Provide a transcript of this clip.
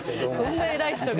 そんな偉い人が。